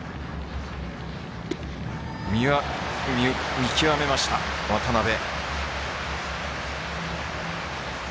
見極めました渡邉。